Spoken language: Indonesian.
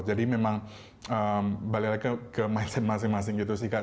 jadi memang balik lagi ke mindset masing masing gitu sih kak